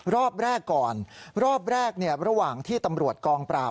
รอบแรกก่อนรอบแรกระหว่างที่ตำรวจกองปราบ